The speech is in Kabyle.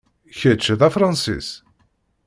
Kečč, d Afransis?